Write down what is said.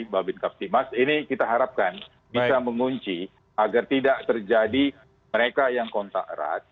babin kaptimas ini kita harapkan bisa mengunci agar tidak terjadi mereka yang kontak erat